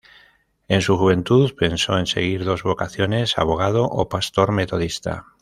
En su juventud, pensó en seguir dos vocaciones, abogado o pastor metodista.